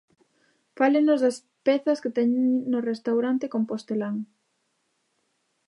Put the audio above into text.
Fálenos das pezas que ten no restaurante compostelán.